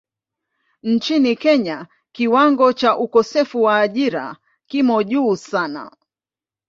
Nchini Kenya kiwango cha ukosefu wa ajira kimo juu sana.